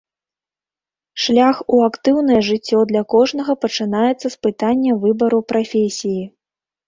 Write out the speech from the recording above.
Шлях у актыўнае жыццё для кожнага пачынаецца з пытання выбару прафесіі.